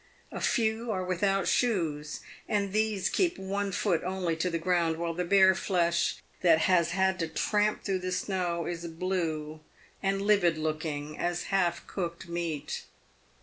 A few are with out shoes, and these keep one foot only to the ground, while the bare flesh that has had to tramp through the snow is blue and livid looking, as half cooked meat.